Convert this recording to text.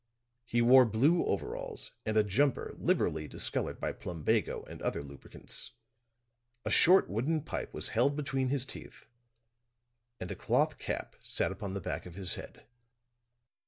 He wore blue overalls and a jumper liberally discolored by plumbago and other lubricants; a short wooden pipe was held between his teeth, and a cloth cap sat upon the back of his head.